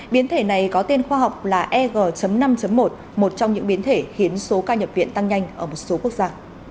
biến thể này có tên khoa học là eg năm một một trong những biến thể khiến số ca nhập viện tăng nhanh ở một số quốc gia